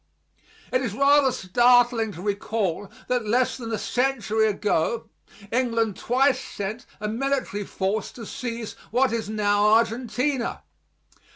It is rather startling to recall that less than a century ago England twice sent a military force to seize what is now Argentina.